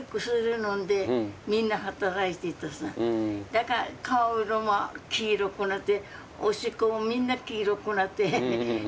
だから顔色も黄色くなっておしっこもみんな黄色くなって。